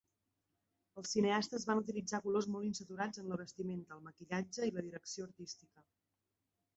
Els cineastes van utilitzar colors molt insaturats en la vestimenta, el maquillatge i la direcció artística.